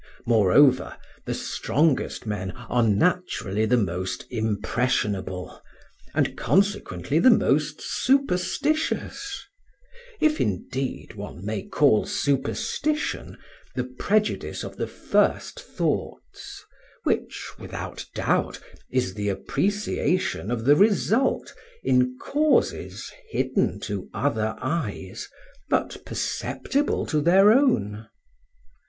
Moreover, the strongest men are naturally the most impressionable, and consequently the most superstitious, if, indeed, one may call superstition the prejudice of the first thoughts, which, without doubt, is the appreciation of the result in causes hidden to other eyes but perceptible to their own.